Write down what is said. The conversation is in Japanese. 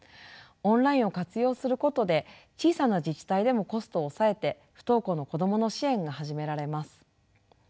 オンラインを活用することで小さな自治体でもコストを抑えて不登校の子どもの支援が始められます。